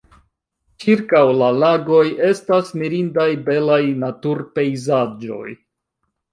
Ĉirkaŭ la lagoj estas mirindaj belaj natur-pejzaĝoj.